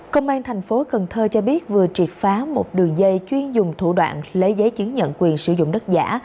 công an thành phố cần thơ cho biết vừa triệt phá một đường dây chuyên dùng thủ đoạn lấy giấy chứng nhận quyền sử dụng đất giả